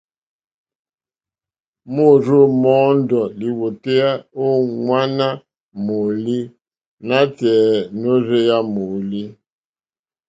Môrzô mɔ́ɔ́ndɔ̀ lìwòtéyá ô ŋwáɲá mòòlî nátɛ̀ɛ̀ nôrzéyá mòòlí.